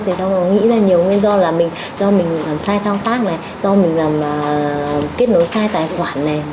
thì sau đó nghĩ ra nhiều nguyên do là do mình làm sai thao tác này do mình làm kết nối sai tài khoản này